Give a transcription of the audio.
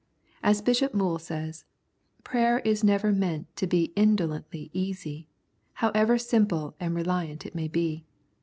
As Bishop Moule says :" Prayer is never meant to be indolently easy, however simple and reliant it may be.